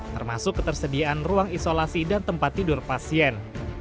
termasuk ketersediaan ruang isolasi dan tempat tidur pasien